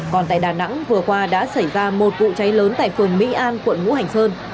còn tại đà nẵng vừa qua đã xảy ra một vụ cháy lớn tại phường mỹ an quận ngũ hành sơn